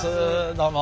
どうも。